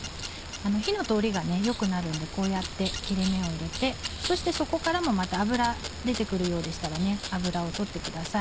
火の通りが良くなるんでこうやって切れ目を入れてそしてそこからもまた脂出て来るようでしたら脂を取ってください。